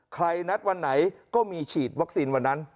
นัดวันไหนก็มีฉีดวัคซีนวันนั้น